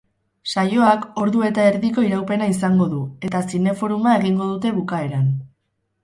Saioak ordu eta erdiko iraupena izango du eta zineforuma egingo dute bukaeran.